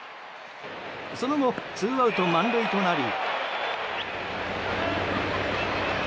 その後ツーアウト満塁となり。